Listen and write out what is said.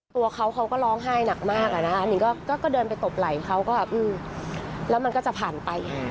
ตัวเขาเขาก็ร้องไห้หนักมากอะนะคะนิงก็เดินไปตบไหล่เขาก็แบบแล้วมันก็จะผ่านไป